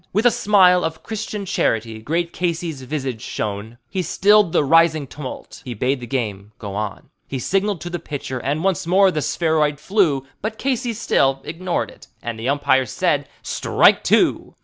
With a smile of Christian charity great Casey's visage shone; He stilled the rising tumult; he bade the game go on; He signaled to the pitcher, and once more the spheroid flew; But Casey still ignored it, and the umpire said, "Strike two."